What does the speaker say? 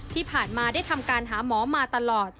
ที่ผ่านมาได้ทำการหาหมอมาตลอด